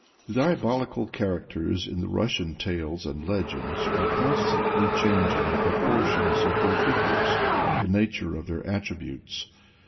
The diabolical characters in the Russian tales and legends are constantly changing the proportions of their figures, the nature of their attributes.